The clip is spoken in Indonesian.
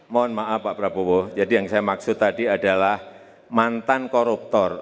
mohon maaf pak prabowo jadi yang saya maksud tadi adalah mantan koruptor